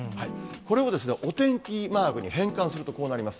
これをお天気マークに変換するとこうなります。